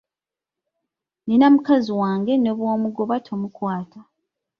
Nnina mukazi wange ne bw'omugoba tomukwata.